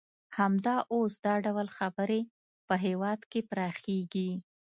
همدا اوس دا ډول خبرې په هېواد کې پراخیږي